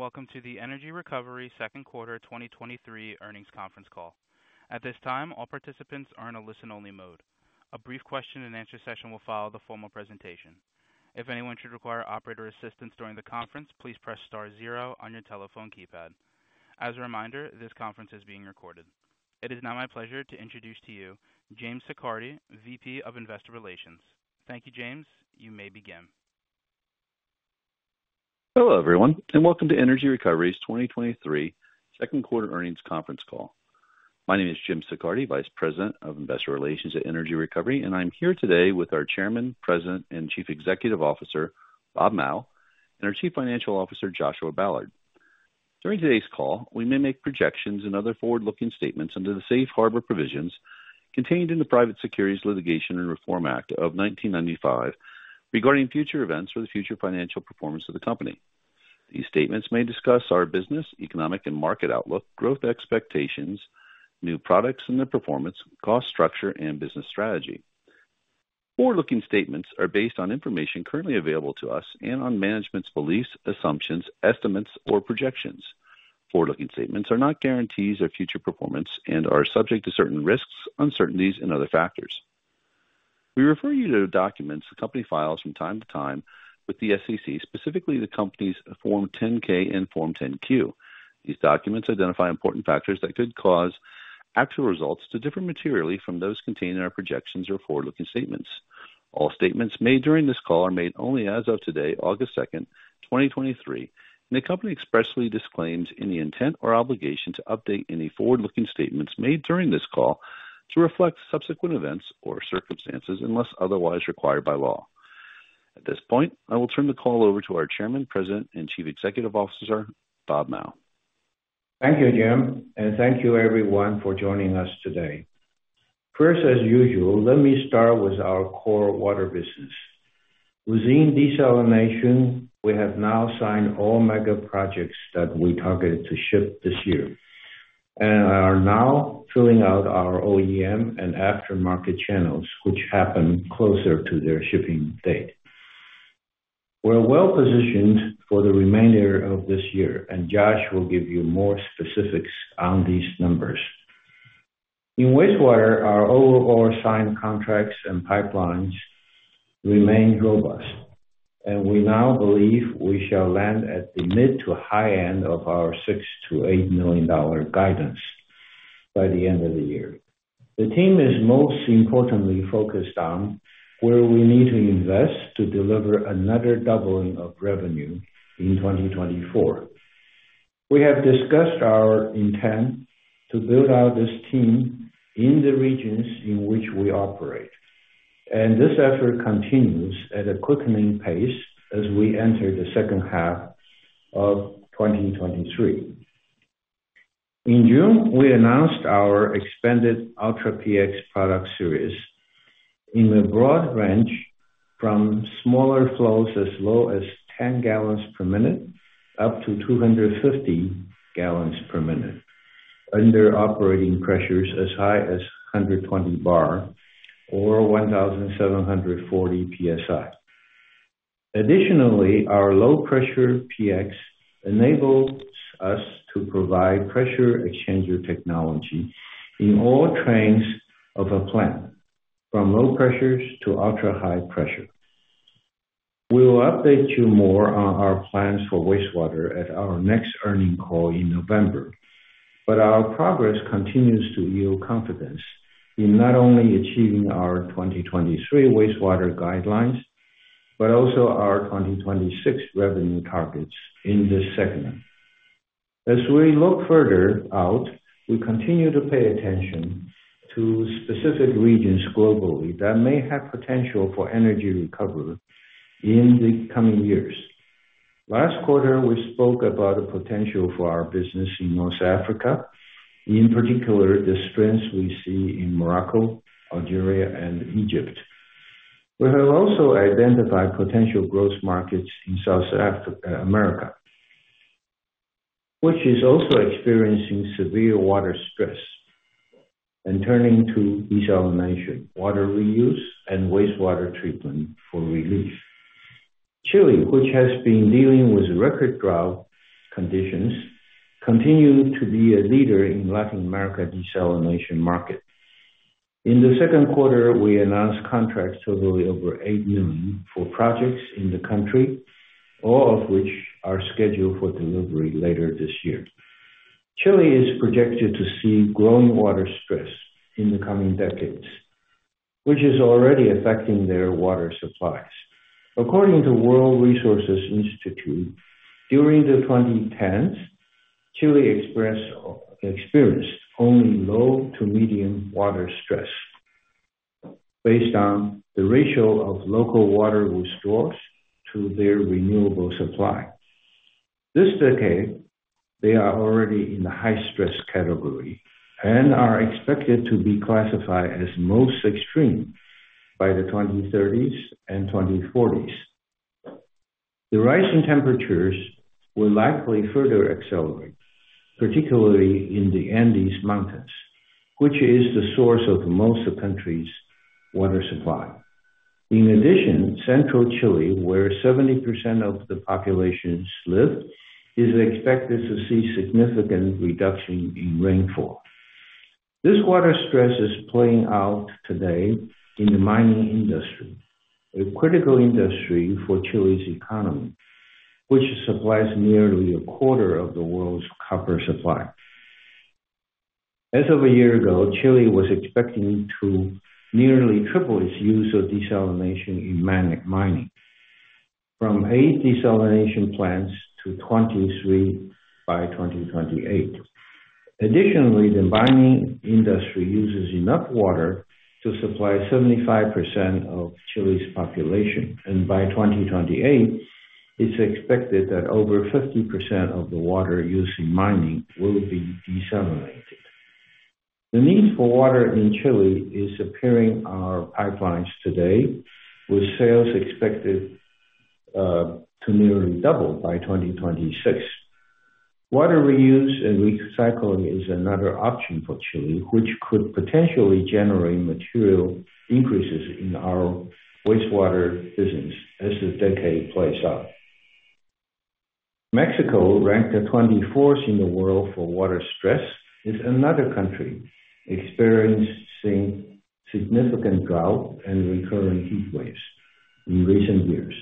Welcome to the Energy Recovery Second Quarter 2023 Earnings Conference Call. At this time, all participants are in a listen-only mode. A brief question and answer session will follow the formal presentation. If anyone should require operator assistance during the conference, please press Star 0 on your telephone keypad. As a reminder, this conference is being recorded. It is now my pleasure to introduce to you James Siccardi, VP of Investor Relations. Thank you, James. You may begin. Hello, everyone, and welcome to Energy Recovery's 2023 Q2 Earnings Conference Call. My name is Jim Siccardi, Vice President of Investor Relations at Energy Recovery, and I'm here today with our Chairman, President, and Chief Executive Officer, Rob Mao, and our Chief Financial Officer, Joshua Ballard. During today's call, we may make projections and other forward-looking statements under the Safe Harbor Provisions contained in the Private Securities Litigation and Reform Act of 1995 regarding future events or the future financial performance of the company. These statements may discuss our business, economic and market outlook, growth expectations, new products and their performance, cost structure, and business strategy. Forward-looking statements are based on information currently available to us and on management's beliefs, assumptions, estimates, or projections. Forward-looking statements are not guarantees of future performance and are subject to certain risks, uncertainties, and other factors. We refer you to the documents the company files from time to time with the SEC, specifically the company's Form 10-K and Form 10-Q. These documents identify important factors that could cause actual results to differ materially from those contained in our projections or forward-looking statements. All statements made during this call are made only as of today, August 2, 2023, and the company expressly disclaims any intent or obligation to update any forward-looking statements made during this call to reflect subsequent events or circumstances, unless otherwise required by law. At this point, I will turn the call over to our Chairman, President, and Chief Executive Officer, Rob Mao. Thank you, Jim, and thank you everyone for joining us today. First, as usual, let me start with our core water business. Within desalination, we have now signed all mega projects that we targeted to ship this year and are now filling out our OEM and aftermarket channels, which happen closer to their shipping date. We're well-positioned for the remainder of this year, and Josh will give you more specifics on these numbers. In wastewater, our overall signed contracts and pipelines remain robust, and we now believe we shall land at the mid to high end of our $6 million-$8 million guidance by the end of the year. The team is most importantly focused on where we need to invest to deliver another doubling of revenue in 2024. We have discussed our intent to build out this team in the regions in which we operate, and this effort continues at a quickening pace as we enter the second half of 2023. In June, we announced our expanded Ultra PX product series in a broad range from smaller flows as low as 10 gallons per minute, up to 250 gallons per minute, under operating pressures as high as 120 bar or 1,740 PSI. Additionally, our low pressure PX enables us to provide pressure exchanger technology in all trains of a plant, from low pressures to ultra-high pressure. We will update you more on our plans for wastewater at our next earnings call in November, our progress continues to yield confidence in not only achieving our 2023 wastewater guidelines, but also our 2026 revenue targets in this segment. As we look further out, we continue to pay attention to specific regions globally that may have potential for Energy Recovery in the coming years. Last quarter, we spoke about the potential for our business in North Africa, in particular the strengths we see in Morocco, Algeria, and Egypt. We have also identified potential growth markets in South America, which is also experiencing severe water stress and turning to desalination, water reuse, and wastewater treatment for relief. Chile, which has been dealing with record drought conditions, continue to be a leader in Latin America desalination market. In the Q2, we announced contracts totaling over $8 million for projects in the country, all of which are scheduled for delivery later this year. Chile is projected to see growing water stress in the coming decades, which is already affecting their water supplies. According to World Resources Institute, during the 2010s, Chile experienced only low to medium water stress based on the ratio of local water restores to their renewable supply. This decade, they are already in the high-stress category and are expected to be classified as most extreme by the 2030s and 2040s. The rise in temperatures will likely further accelerate, particularly in the Andes Mountains, which is the source of most of the country's water supply. In addition, central Chile, where 70% of the population lives, is expected to see significant reduction in rainfall. This water stress is playing out today in the mining industry, a critical industry for Chile's economy, which supplies nearly a quarter of the world's copper supply. As of a year ago, Chile was expecting to nearly triple its use of desalination in mining, from eight desalination plants to 23 by 2028. Additionally, the mining industry uses enough water to supply 75% of Chile's population. By 2028, it's expected that over 50% of the water used in mining will be desalinated. The need for water in Chile is appearing our pipelines today, with sales expected to nearly double by 2026. Water reuse and recycling is another option for Chile, which could potentially generate material increases in our wastewater business as the decade plays out. Mexico, ranked the 24th in the world for water stress, is another country experiencing significant drought and recurring heatwaves in recent years.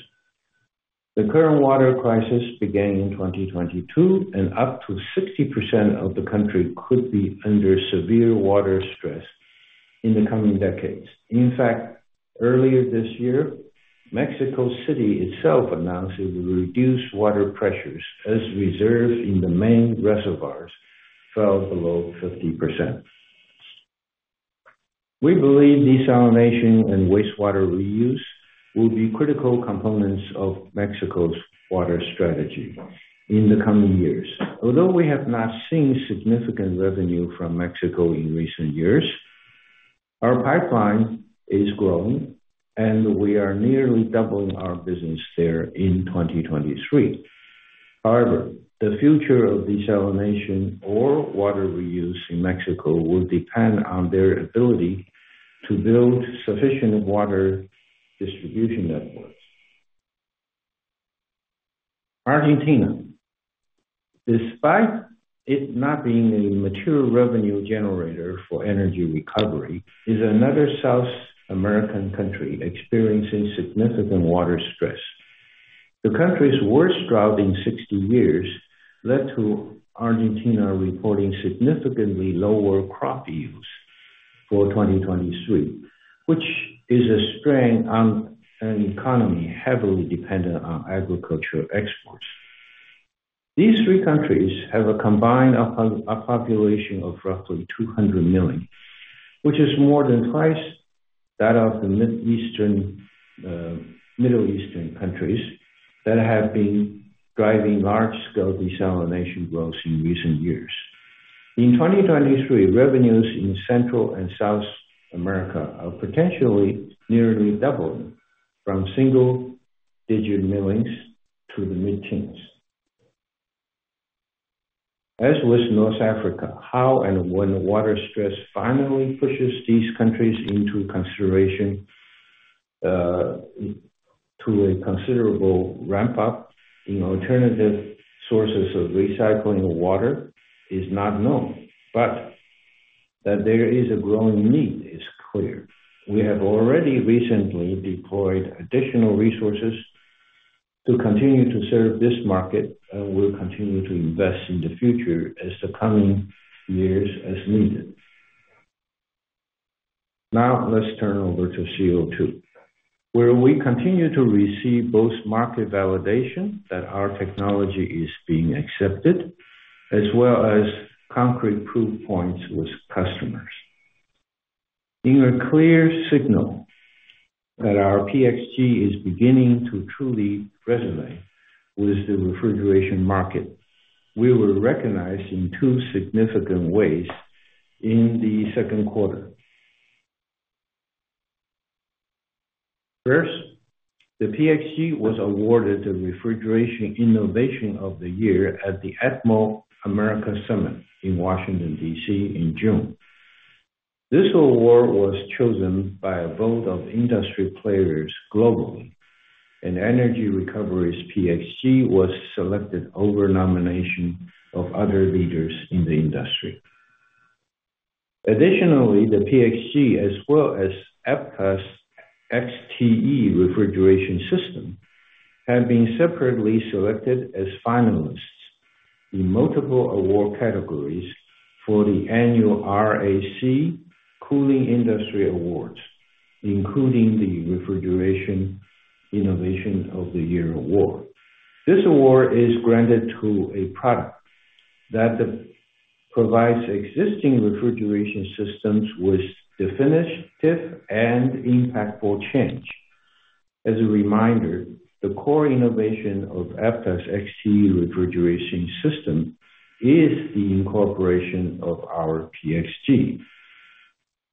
The current water crisis began in 2022, up to 60% of the country could be under severe water stress in the coming decades. In fact, earlier this year, Mexico City itself announced it will reduce water pressures as reserves in the main reservoirs fell below 50%. We believe desalination and wastewater reuse will be critical components of Mexico's water strategy in the coming years. Although we have not seen significant revenue from Mexico in recent years, our pipeline is growing, and we are nearly doubling our business there in 2023. However, the future of desalination or water reuse in Mexico will depend on their ability to build sufficient water distribution networks. Argentina, despite it not being a mature revenue generator for Energy Recovery, is another South American country experiencing significant water stress. The country's worst drought in 60 years led to Argentina reporting significantly lower crop yields for 2023, which is a strain on an economy heavily dependent on agricultural exports. These three countries have a combined population of roughly 200 million, which is more than twice that of the Middle Eastern countries that have been driving large-scale desalination growth in recent years. In 2023, revenues in Central and South America are potentially nearly doubling from single-digit millions to the mid-teens. As with North Africa, how and when water stress finally pushes these countries into consideration to a considerable ramp up in alternative sources of recycling water is not known, but that there is a growing need is clear. We have already recently deployed additional resources to continue to serve this market and will continue to invest in the future as the coming years as needed. Now, let's turn over to CO2, where we continue to receive both market validation that our technology is being accepted, as well as concrete proof points with customers. In a clear signal that our PXG is beginning to truly resonate with the refrigeration market, we were recognized in two significant ways in the Q2. First, the PXG was awarded the Refrigeration Innovation of the Year at the ATMO America Summit in Washington, D.C., in June. This award was chosen by a vote of industry players globally, and Energy Recovery's PXG was selected over nomination of other leaders in the industry. Additionally, the PXG, as well as Epta's XTE refrigeration system, have been separately selected as finalists in multiple award categories for the annual RAC Cooling Industry Awards, including the Refrigeration Innovation of the Year award. This award is granted to a product that provides existing refrigeration systems with definitive and impactful change. As a reminder, the core innovation of Epta's XTE refrigeration system is the incorporation of our PXG.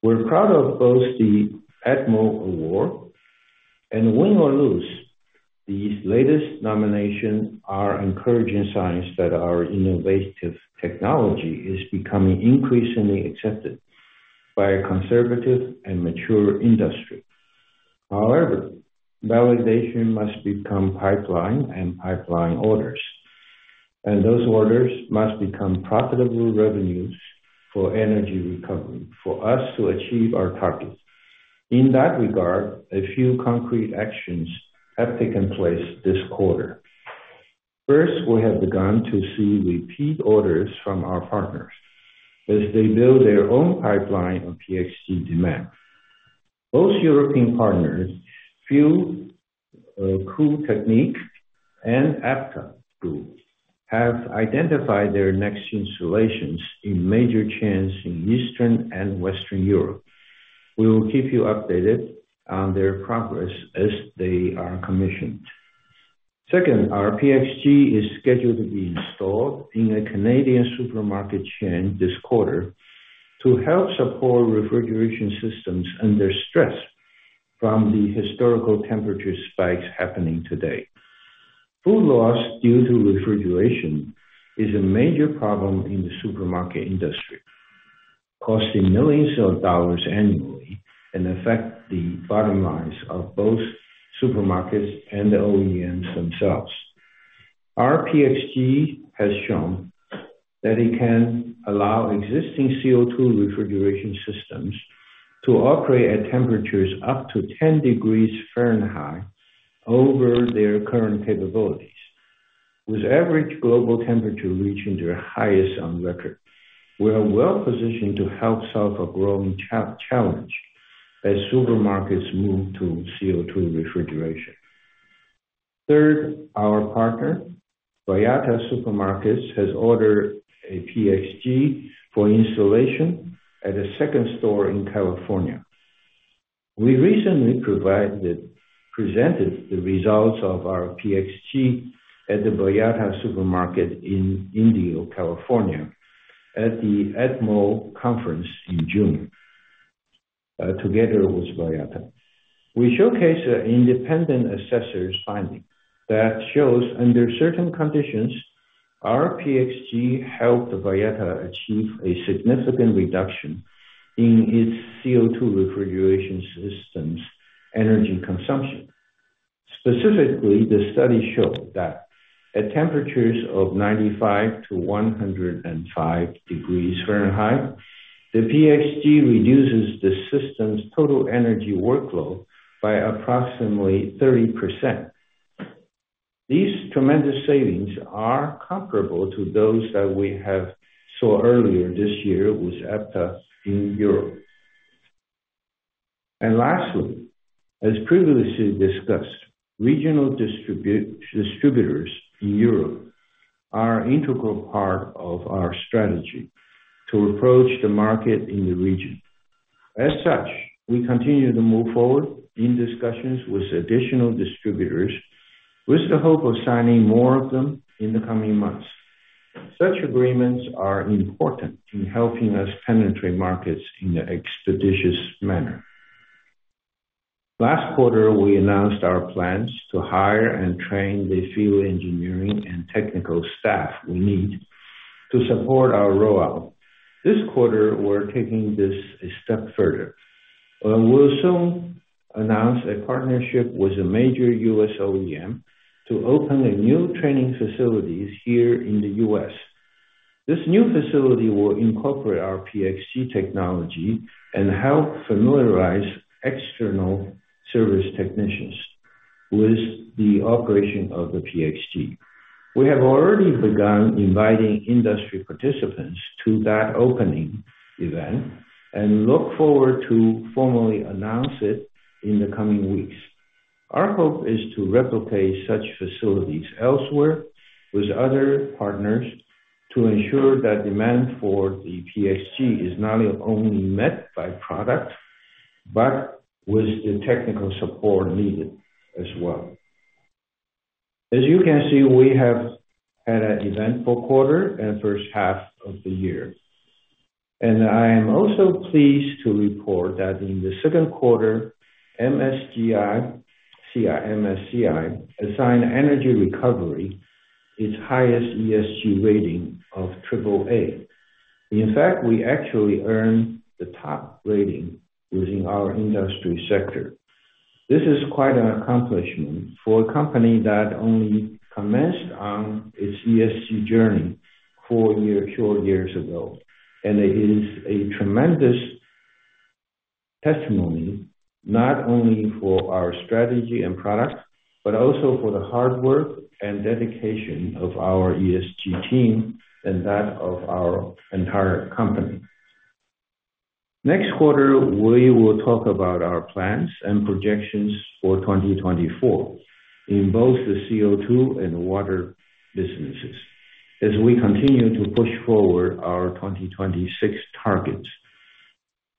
We're proud of both the ATMO award, and win or lose... These latest nominations are encouraging signs that our innovative technology is becoming increasingly accepted by a conservative and mature industry. However, validation must become pipeline and pipeline orders, and those orders must become profitable revenues for Energy Recovery for us to achieve our target. In that regard, a few concrete actions have taken place this quarter. First, we have begun to see repeat orders from our partners as they build their own pipeline of PXG demand. Both European partners, Fieuw Koeltechniek and Epta Group, have identified their next installations in major chains in Eastern and Western Europe. We will keep you updated on their progress as they are commissioned. Second, our PXG is scheduled to be installed in a Canadian supermarket chain this quarter to help support refrigeration systems under stress from the historical temperature spikes happening today. Food loss due to refrigeration is a major problem in the supermarket industry, costing $ millions annually, and affect the bottom lines of both supermarkets and the OEMs themselves. Our PXG has shown that it can allow existing CO2 refrigeration systems to operate at temperatures up to 10 degrees Fahrenheit over their current capabilities. With average global temperature reaching their highest on record, we are well positioned to help solve a growing challenge as supermarkets move to CO2 refrigeration. Third, our partner, Vallarta Supermarkets, has ordered a PXG for installation at a second store in California. We recently presented the results of our PXG at the Vallarta Supermarket in Indio, California, at the ATMO conference in June, together with Vallarta. We showcased an independent assessor's finding that shows, under certain conditions, our PXG helped Vallarta achieve a significant reduction in its CO2 refrigeration system's energy consumption. Specifically, the study showed that at temperatures of 95-105 degrees Fahrenheit, the PXG reduces the system's total energy workload by approximately 30%. These tremendous savings are comparable to those that we have saw earlier this year with Epta in Europe. Lastly, as previously discussed, regional distributors in Europe are an integral part of our strategy to approach the market in the region. As such, we continue to move forward in discussions with additional distributors, with the hope of signing more of them in the coming months. Such agreements are important in helping us penetrate markets in an expeditious manner. Last quarter, we announced our plans to hire and train the field engineering and technical staff we need to support our rollout. This quarter, we're taking this a step further. We'll soon announce a partnership with a major U.S. OEM to open a new training facility here in the U.S. This new facility will incorporate our PXG technology and help familiarize external service technicians with the operation of the PXG. We have already begun inviting industry participants to that opening event, and look forward to formally announce it in the coming weeks. Our hope is to replicate such facilities elsewhere, with other partners, to ensure that demand for the PXG is not only met by product, but with the technical support needed as well. As you can see, we have had an eventful quarter and first half of the year, and I am also pleased to report that in the Q2, MSCI assigned Energy Recovery its highest ESG rating of AAA. In fact, we actually earned the top rating within our industry sector. This is quite an accomplishment for a company that only commenced on its ESG journey 4 years ago, and it is a tremendous testimony, not only for our strategy and product, but also for the hard work and dedication of our ESG team and that of our entire company. Next quarter, we will talk about our plans and projections for 2024 in both the CO2 and water businesses as we continue to push forward our 2026 targets.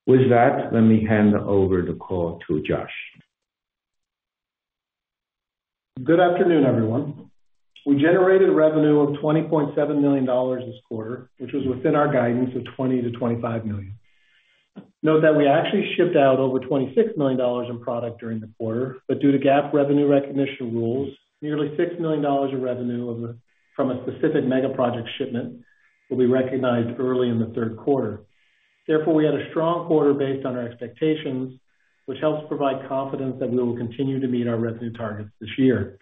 With that, let me hand over the call to Josh. Good afternoon, everyone. We generated revenue of $20.7 million this quarter, which was within our guidance of $20 million-$25 million. Note that we actually shipped out over $26 million in product during the quarter. Due to GAAP revenue recognition rules, nearly $6 million of revenue from a specific mega project shipment will be recognized early in the Q3. We had a strong quarter based on our expectations, which helps provide confidence that we will continue to meet our revenue targets this year.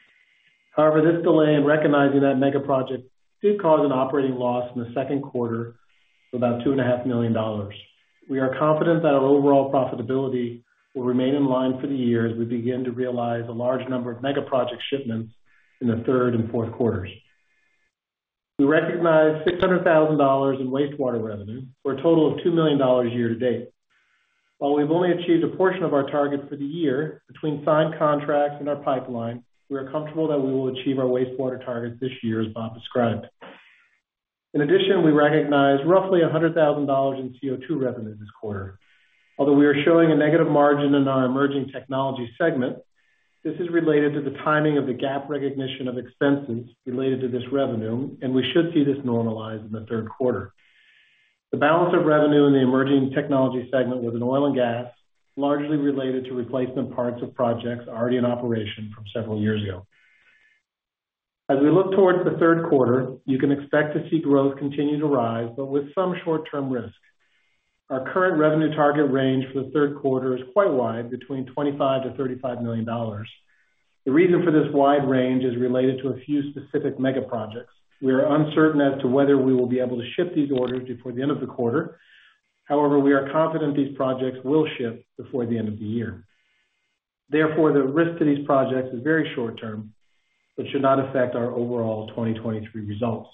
This delay in recognizing that mega project did cause an operating loss in the Q2 of about $2.5 million. We are confident that our overall profitability will remain in line for the year as we begin to realize a large number of mega project shipments in the third and Q4s. We recognized $600,000 in wastewater revenue for a total of $2 million year to date. While we've only achieved a portion of our targets for the year, between signed contracts and our pipeline, we are comfortable that we will achieve our wastewater targets this year, as Rob described. In addition, we recognized roughly $100,000 in CO2 revenue this quarter. Although we are showing a negative margin in our emerging technology segment, this is related to the timing of the GAAP recognition of expenses related to this revenue, and we should see this normalize in the Q3. The balance of revenue in the emerging technology segment was in oil and gas, largely related to replacement parts of projects already in operation from several years ago. As we look towards the Q3, you can expect to see growth continue to rise, but with some short-term risk. Our current revenue target range for the Q3 is quite wide, between $25 million-$35 million. The reason for this wide range is related to a few specific mega projects. We are uncertain as to whether we will be able to ship these orders before the end of the quarter. We are confident these projects will ship before the end of the year. The risk to these projects is very short term, but should not affect our overall 2023 results.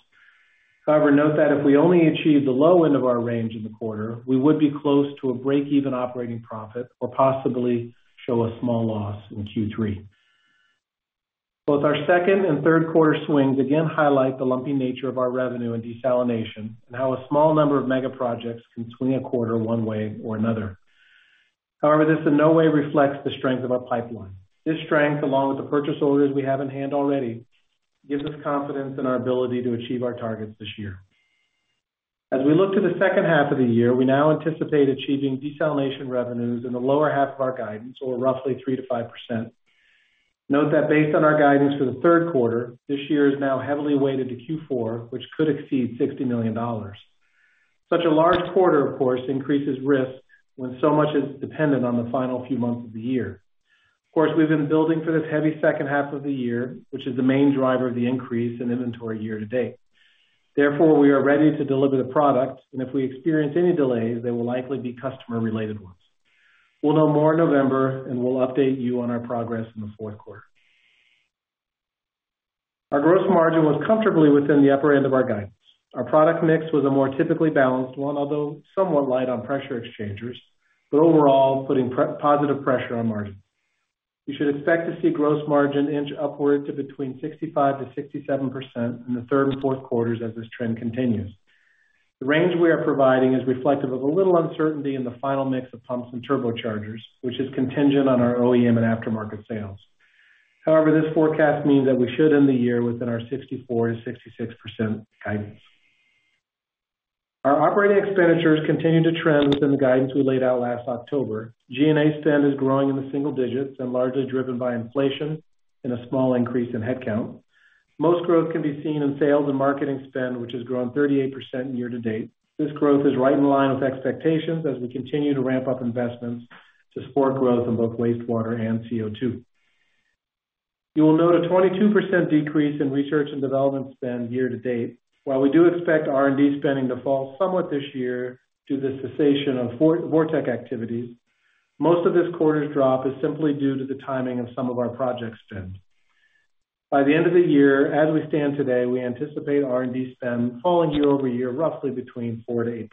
Note that if we only achieve the low end of our range in the quarter, we would be close to a break-even operating profit or possibly show a small loss in Q3. Both our second and Q3 swings again highlight the lumpy nature of our revenue and desalination, and how a small number of mega projects can swing a quarter one way or another. However, this in no way reflects the strength of our pipeline. This strength, along with the purchase orders we have in hand already, gives us confidence in our ability to achieve our targets this year. As we look to the second half of the year, we now anticipate achieving desalination revenues in the lower half of our guidance, or roughly 3%-5%. Note that based on our guidance for the Q3, this year is now heavily weighted to Q4, which could exceed $60 million. Such a large quarter, of course, increases risk when so much is dependent on the final few months of the year. Of course, we've been building for this heavy second half of the year, which is the main driver of the increase in inventory year to date. Therefore, we are ready to deliver the product, and if we experience any delays, they will likely be customer-related ones. We'll know more in November, and we'll update you on our progress in the Q4. Our gross margin was comfortably within the upper end of our guidance. Our product mix was a more typically balanced one, although somewhat light on pressure exchangers, but overall, putting positive pressure on margin. You should expect to see gross margin inch upward to between 65%-67% in the third and Q4s as this trend continues. The range we are providing is reflective of a little uncertainty in the final mix of pumps and turbochargers, which is contingent on our OEM and aftermarket sales. This forecast means that we should end the year within our 64%-66% guidance. Our operating expenditures continue to trend within the guidance we laid out last October. G&A spend is growing in the single digits and largely driven by inflation and a small increase in headcount. Most growth can be seen in sales and marketing spend, which has grown 38% year to date. This growth is right in line with expectations as we continue to ramp up investments to support growth in both wastewater and CO2. You will note a 22% decrease in research and development spend year to date. While we do expect R&D spending to fall somewhat this year due to the cessation of VorTeq activities, most of this quarter's drop is simply due to the timing of some of our project spend. By the end of the year, as we stand today, we anticipate R&D spend falling year-over-year, roughly between 4%-8%.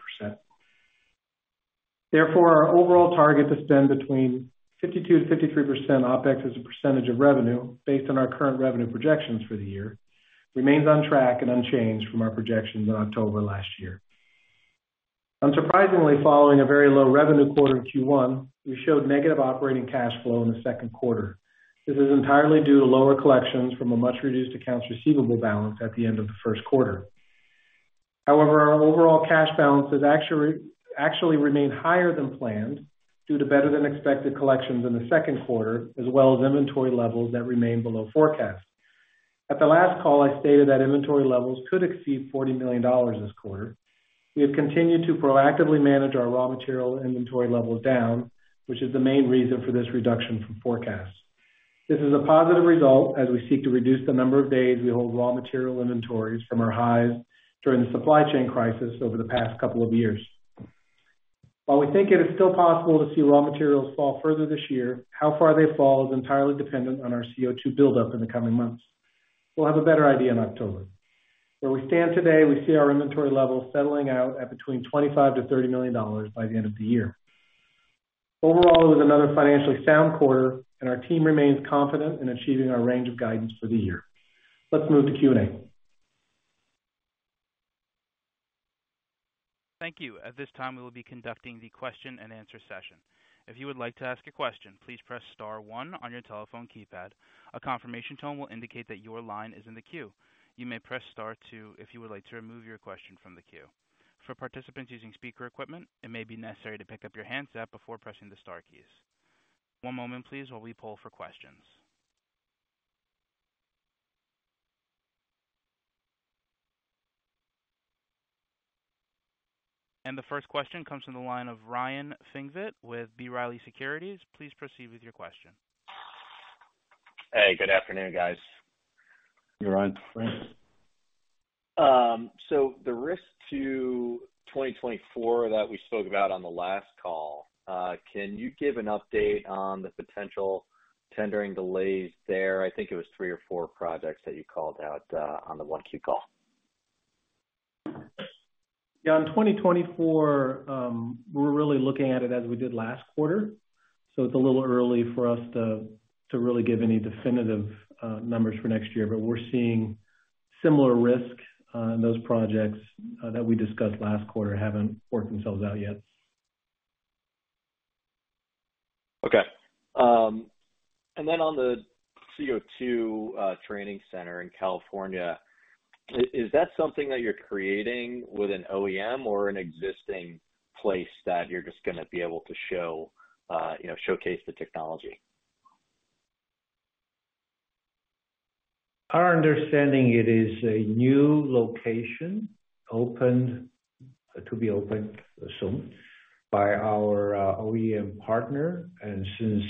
Therefore, our overall target to spend between 52%-53% OpEx as a percentage of revenue based on our current revenue projections for the year, remains on track and unchanged from our projections in October last year. Unsurprisingly, following a very low revenue quarter in Q1, we showed negative operating cash flow in the Q2. This is entirely due to lower collections from a much reduced accounts receivable balance at the end of the Q1. However, our overall cash balance has actually remained higher than planned due to better than expected collections in the Q2, as well as inventory levels that remain below forecast. At the last call, I stated that inventory levels could exceed $40 million this quarter. We have continued to proactively manage our raw material inventory levels down, which is the main reason for this reduction from forecast. This is a positive result as we seek to reduce the number of days we hold raw material inventories from our highs during the supply chain crisis over the past couple of years. While we think it is still possible to see raw materials fall further this year, how far they fall is entirely dependent on our CO2 buildup in the coming months. We'll have a better idea in October. Where we stand today, we see our inventory levels settling out at between $25 million-$30 million by the end of the year. Overall, it was another financially sound quarter and our team remains confident in achieving our range of guidance for the year. Let's move to Q&A. Thank you. At this time, we will be conducting the question and answer session. If you would like to ask a question, please press Star one on your telephone keypad. A confirmation tone will indicate that your line is in the queue. You may press Star two if you would like to remove your question from the queue. For participants using speaker equipment, it may be necessary to pick up your handset before pressing the star keys. One moment please, while we poll for questions. The first question comes from the line of Ryan Pfingst with B. Riley Securities. Please proceed with your question. Hey, good afternoon, guys. Hey, Ryan. The risk to 2024 that we spoke about on the last call, can you give an update on the potential tendering delays there? I think it was three or four projects that you called out, on the Q1 call. Yeah, in 2024, we're really looking at it as we did last quarter. It's a little early for us to really give any definitive numbers for next year. We're seeing similar risk in those projects that we discussed last quarter, haven't worked themselves out yet. Okay. Then on the CO2 training center in California, is that something that you're creating with an OEM or an existing place that you're just going to be able to show, you know, showcase the technology? Our understanding, it is a new location, opened, to be opened soon by our OEM partner, and since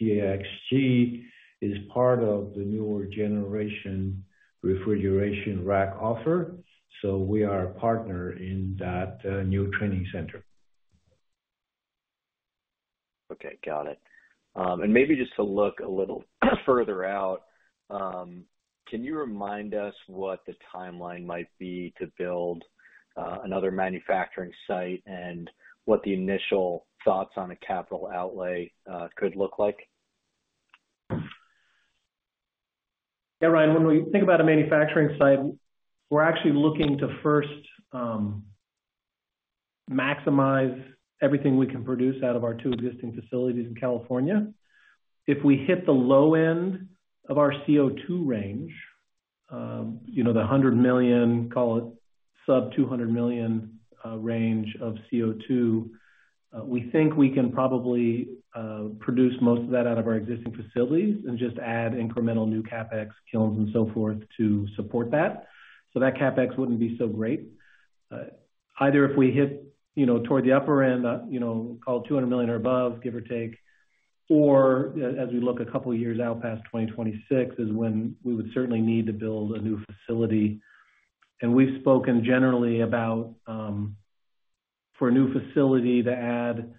PXG is part of the newer generation refrigeration rack offer, so we are a partner in that new training center. Okay, got it. And maybe just to look a little further out, can you remind us what the timeline might be to build another manufacturing site and what the initial thoughts on a capital outlay could look like? Yeah, Ryan, when we think about a manufacturing site, we're actually looking to first, maximize everything we can produce out of our two existing facilities in California. If we hit the low end of our CO2 range, you know, the $100 million, call it sub $200 million range of CO2, we think we can probably produce most of that out of our existing facilities and just add incremental new CapEx, kilns and so forth to support that. That CapEx wouldn't be so great. Either if we hit, you know, toward the upper end, you know, call it $200 million or above, give or take, or as we look two years out past 2026, is when we would certainly need to build a new facility. We've spoken generally about, for a new facility to add,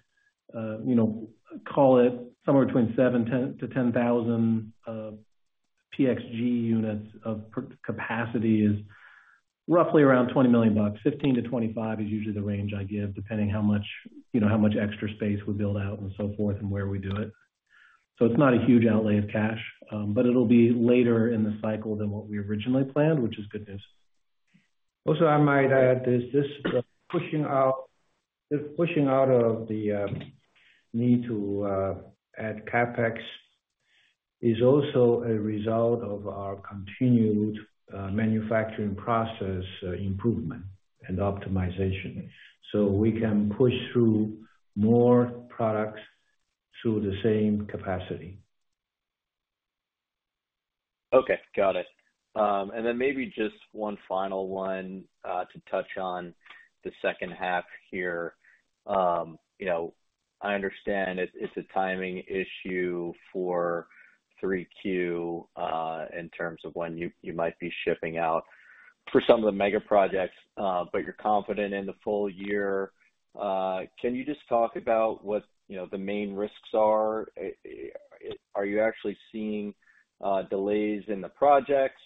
you know, call it somewhere between 710-10,000 PXG units of capacity is roughly around $20 million. $15 million-$25 million is usually the range I give, depending how much extra space we build out and so forth and where we do it. It's not a huge outlay of cash, but it'll be later in the cycle than what we originally planned, which is good news. Also, I might add, this, this pushing out, this pushing out of the need to add CapEx is also a result of our continued manufacturing process improvement and optimization. We can push through more products through the same capacity. Okay, got it. Then maybe just one final one, to touch on the second half here. You know, I understand it, it's a timing issue for Q3, in terms of when you, you might be shipping out for some of the mega projects, but you're confident in the full year. Can you just talk about what the main risks are? Are you actually seeing, delays in the projects?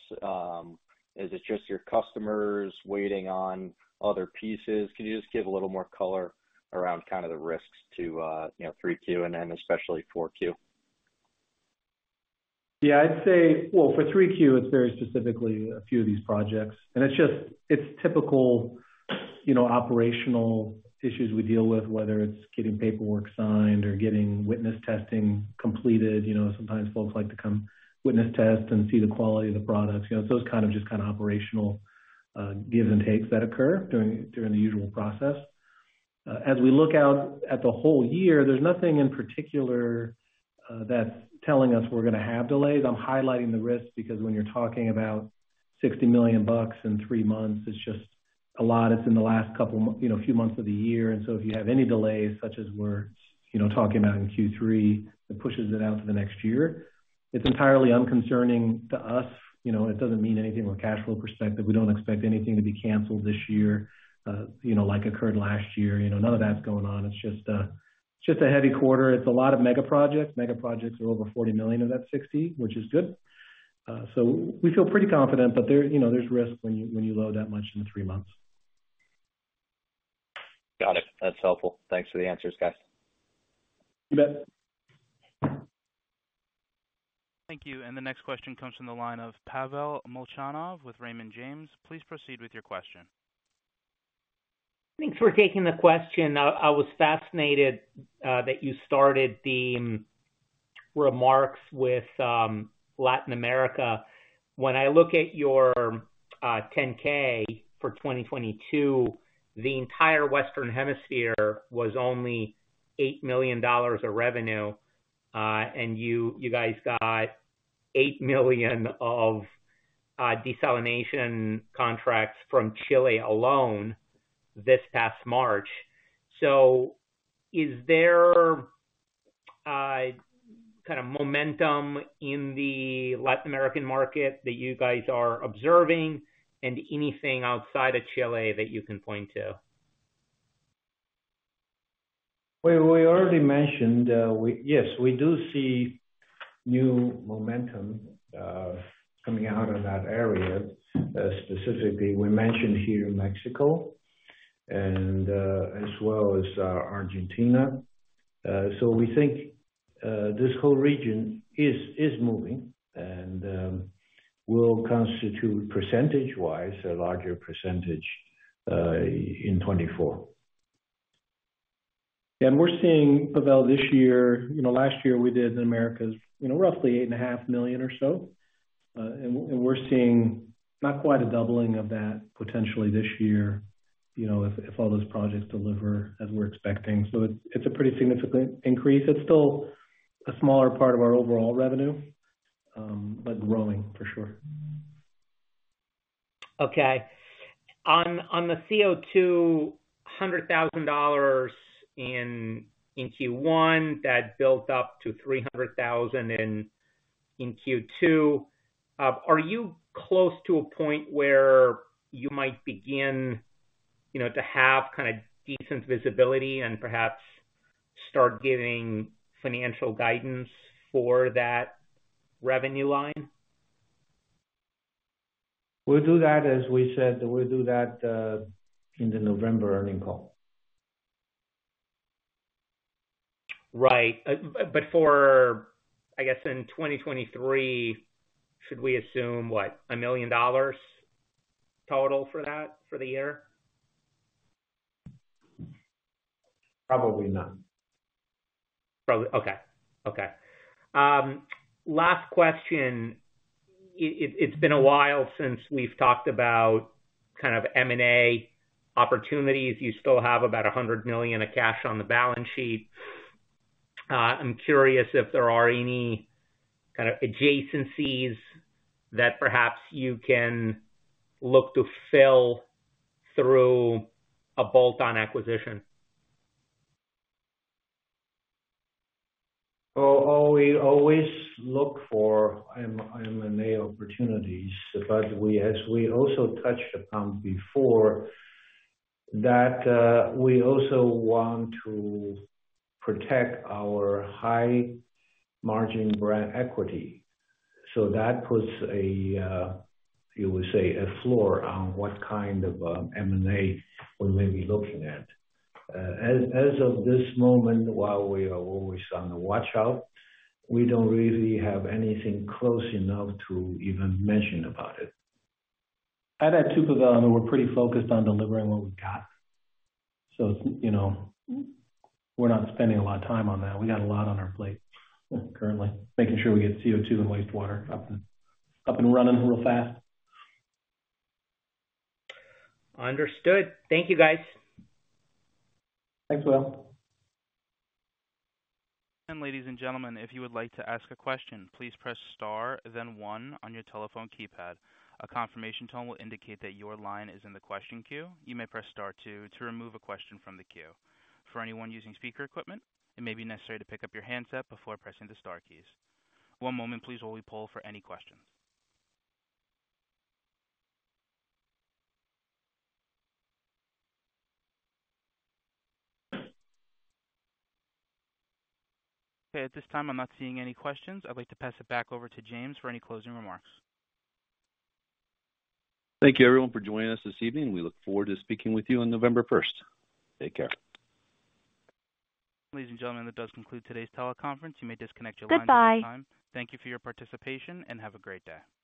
Is it just your customers waiting on other pieces? Can you just give a little more color around kind of the risks to Q3 and then especially Q4? Yeah, I'd say... Well, for Q3, it's very specifically a few of these projects, and it's just, it's typical operational issues we deal with, whether it's getting paperwork signed or getting witness testing completed. You know, sometimes folks like to come witness test and see the quality of the products. You know, those kind of just kind of operational gives and takes that occur during, during the usual process. As we look out at the whole year, there's nothing in particular that's telling us we're going to have delays. I'm highlighting the risks because when you're talking about $60 million in three months, it's just a lot. It's in the last couple months, you know, few months of the year. So if you have any delays, such as we're, you know, talking about in Q3, it pushes it out to the next year. It's entirely unconcerning to us. It doesn't mean anything from a cash flow perspective. We don't expect anything to be canceled this year, you know, like occurred last year. You know, none of that's going on. It's just a, it's just a heavy quarter. It's a lot of mega projects. Mega projects are over $40 million of that $60 million, which is good. We feel pretty confident, but there's risk when you load that much in three months. Got it. That's helpful. Thanks for the answers, guys. You bet. Thank you. The next question comes from the line of Pavel Molchanov with Raymond James. Please proceed with your question. Thanks for taking the question. I was fascinated that you started the remarks with Latin America. When I look at your 10-K for 2022, the entire Western Hemisphere was only $8 million of revenue. and you guys got $8 million of desalination contracts from Chile alone this past March. Is there a kind of momentum in the Latin American market that you guys are observing and anything outside of Chile that you can point to? Well, we already mentioned, yes, we do see new momentum coming out of that area. Specifically, we mentioned here Mexico and as well as Argentina. So we think this whole region is, is moving and will constitute percentage-wise, a larger percentage in 2024. We're seeing, Pavel, this year. You know, last year we did in Americas, you know, roughly $8.5 million or so. We're seeing not quite a doubling of that potentially this year, you know, if all those projects deliver as we're expecting. It's a pretty significant increase. It's still a smaller part of our overall revenue, but growing for sure. Okay. On the CO2, $100,000 in, in Q1, that built up to $300,000 in Q2. Are you close to a point where you might begin, you know, to have kind of decent visibility and perhaps start giving financial guidance for that revenue line? We'll do that. As we said, we'll do that, in the November earnings call. Right. For, I guess, in 2023, should we assume what? $1 million total for that, for the year? Probably not. Probably. Okay. Okay. Last question. It's been a while since we've talked about M&A opportunities. You still have about $100 million of cash on the balance sheet. I'm curious if there are any adjacencies that perhaps you can look to fill through a bolt-on acquisition. We always look for M&A opportunities, but as we also touched upon before, that, we also want to protect our high-margin brand equity. That puts a, you would say, a floor on what kind of M&A we may be looking at. As of this moment, while we are always on the watch out, we don't really have anything close enough to even mention about it. Add to that, Pavel, I mean, we're pretty focused on delivering what we got. You know, we're not spending a lot of time on that. We got a lot on our plate currently, making sure we get CO2 and wastewater up and, up and running real fast. Understood. Thank you, guys. Thanks, Pavel. Ladies and gentlemen, if you would like to ask a question, please press Star, then one on your telephone keypad. A confirmation tone will indicate that your line is in the question queue. You may press Star two to remove a question from the queue. For anyone using speaker equipment, it may be necessary to pick up your handset before pressing the Star keys. One moment, please, while we poll for any questions. At this time, I'm not seeing any questions. I'd like to pass it back over to James for any closing remarks. Thank you, everyone, for joining us this evening. We look forward to speaking with you on November first. Take care. Ladies and gentlemen, that does conclude today's teleconference. You may disconnect your line at this time. Goodbye. Thank you for your participation, and have a great day.